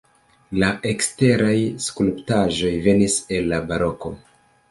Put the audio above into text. La eksteraj skulptaĵoj venis el la baroko.